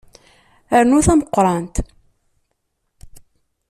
Rnu tameqqrant.